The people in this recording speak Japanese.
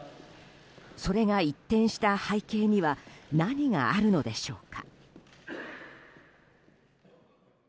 それが一転した背景には何があるのでしょうか。